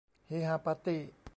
เฮฮาปาร์ตี้